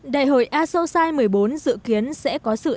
đại hội asosci một mươi bốn dự kiến sẽ có sự thay đổi